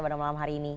pada malam hari ini